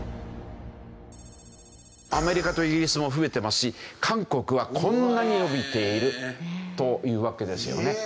アメリカとイギリスも増えてますし韓国はこんなに伸びているというわけですよね。